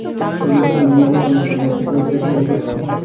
নতুন জাল নামানের কাম করতাম জইষ্টো মাসে, হেই কাম করি এহোন।